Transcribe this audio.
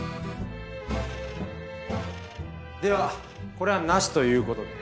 ではこれはなしという事で。